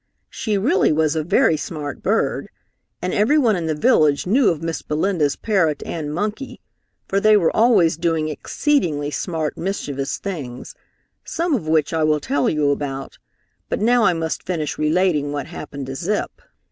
She really was a very smart bird, and everyone in the village knew of Miss Belinda's parrot and monkey, for they were always doing exceedingly smart, mischievous things, some of which I will tell you about, but now I must finish relating what happened to Zip.